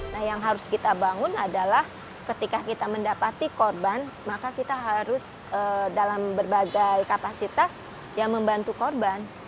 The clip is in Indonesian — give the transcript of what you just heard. nah yang harus kita bangun adalah ketika kita mendapati korban maka kita harus dalam berbagai kapasitas yang membantu korban